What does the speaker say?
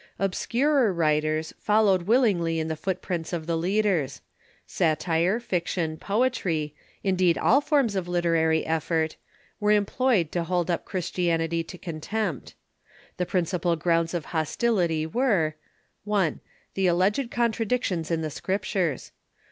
Obscurer writers followed willingly in the footprints of the leaders. Satire, fiction, poetry — indeed, all forms of literary General Charges effort — were employed to hold np Christianitj' to against contempt. The principal grounds of hostility Christianity ^^^^.^. 1. The alleged contradictions in the Scriptures.